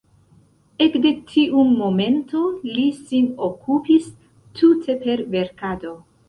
Ekde tiu momento li sin okupis tute per verkado.